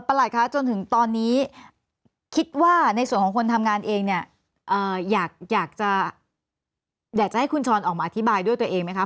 ประหลักครับจนถึงตอนนี้คิดว่าในส่วนของคนทำงานเองเนี่ยอยากไว้ที่คุณชรออกมาอธิบายด้วยตัวเองไหมครับ